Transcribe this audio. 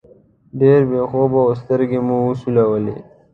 ډېر بې خوبه وو، سترګې مو سولولې.